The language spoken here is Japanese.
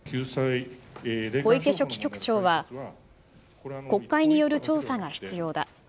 小池書記局長は、国会による調査が必要だ。